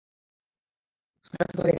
স্কুটারটা তুমি রেখে দিও।